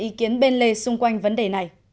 ý kiến bên lề xung quanh vấn đề này